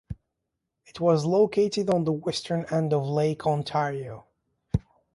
It was located on the western end of Lake Ontario.